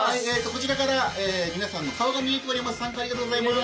こちらから皆さんの顔が見えております。